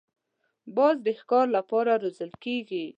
باز د ښکار له پاره روزل کېږي